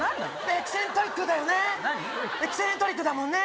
エキセントリックだもんね。